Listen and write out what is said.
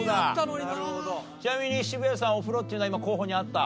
ちなみに渋谷さんお風呂っていうのは今候補にあった？